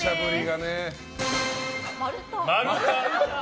丸太。